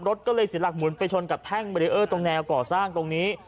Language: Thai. รถก็เลยสินหลักหมุนไปชนกับแพ่งเอ้อตรงแนวก่อสร้างตรงนี้